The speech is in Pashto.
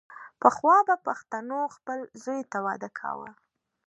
پخوا به پښتنو خپل زوی ته واده کاوو.